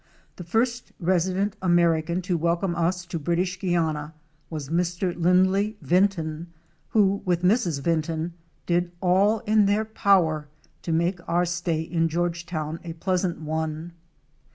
The first resident American to welcome us to British Guiana was Mr. Lindley Vinton who, with Mrs. Vinton, did all in their power to make our stay in Georgetown a pleasant one.